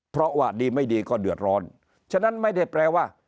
เพราะว่าดีไม่ดีก็เดือดร้อนฉะนั้นไม่ได้แปลว่า